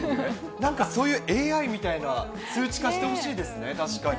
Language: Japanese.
なんかそういうＡＩみたいな、数値化してほしいですね、確かに。